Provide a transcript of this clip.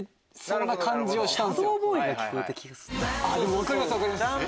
分かります分かります。